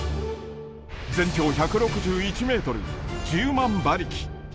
全長１６１メートル、１０万馬力。